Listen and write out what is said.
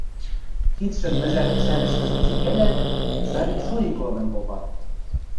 – кидшӹм мӹжӓр кӹшӓнӹшкӹжӹ цикӓлят, Савик со икладын попа.